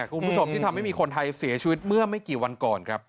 คุณผู้ชมที่ทำให้มีคนไทยเสียชีวิตเมื่อไม่กี่วันก่อนครับ